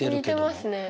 似てますね。